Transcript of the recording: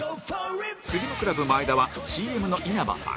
スリムクラブ真栄田は ＣＭ の稲葉さん